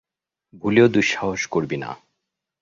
ভুলেও দুঃসাহস করবি না!